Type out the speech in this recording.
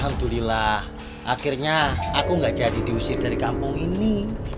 alhamdulillah akhirnya aku nggak jadi diusir dari kampung ini